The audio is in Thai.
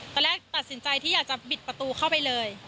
ตอนแรกตัดสินใจที่อยากจะบิดประตูเข้าไปเลย